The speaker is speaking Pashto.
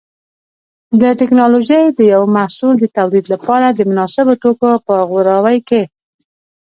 د ټېکنالوجۍ د یو محصول د تولید لپاره د مناسبو توکو په غوراوي کې.